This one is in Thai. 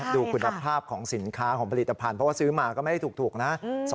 ดูคุณภาพของสินค้าของผลิตภัณฑ์เพราะว่าซื้อมาก็ไม่ได้ถูกนะ